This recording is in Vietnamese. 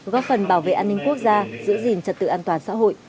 góp phần bảo vệ an ninh quốc gia giữ gìn trật tự an toàn xã hội